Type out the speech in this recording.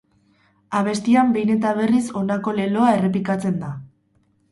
Abestian behin eta berriz honako leloa errepikatzen da.